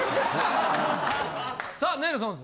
さあネルソンズ。